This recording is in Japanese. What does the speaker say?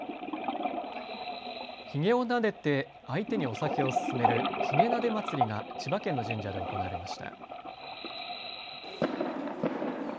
ひげをなでて相手にお酒を勧めるひげなで祭が千葉県の神社で行われました。